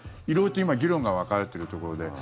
色々と今議論が分かれているところで。